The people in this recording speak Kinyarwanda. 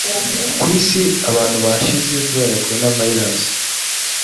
Ku isi abantu bashize kubera Coronavirus